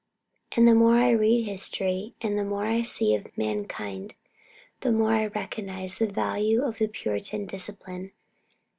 And the more I read history and the more I see of mankind, the more I recognise the value of the Puritan discipline."